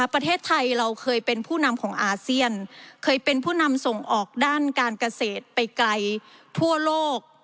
ประเทศไทยเราเคยเป็นผู้นำของอาเซียนเคยเป็นผู้นำส่งออกด้านการเกษตรไปไกลทั่วโลก